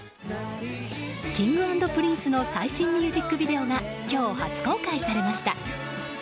Ｋｉｎｇ＆Ｐｒｉｎｃｅの最新ミュージックビデオが今日、初公開されました。